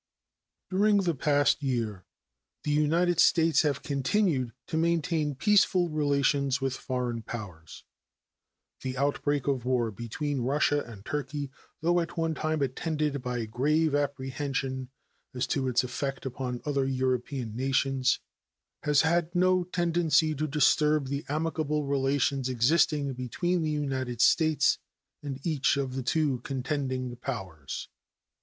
During the past year the United States have continued to maintain peaceful relations with foreign powers. The outbreak of war between Russia and Turkey, though at one time attended by grave apprehension as to its effect upon other European nations, has had no tendency to disturb the amicable relations existing between the United States and each of the two contending powers.